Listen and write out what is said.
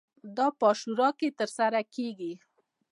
دا په عاشورا کې ترسره کیږي.